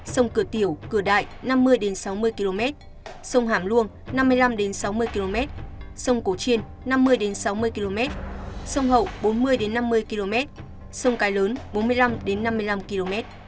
sông cửa tiểu cửa đại năm mươi sáu mươi km sông hàm luông năm mươi năm sáu mươi km sông cổ chiên năm mươi sáu mươi km sông hậu bốn mươi năm mươi km sông cái lớn bốn mươi năm năm mươi năm km